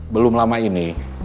belum lama ini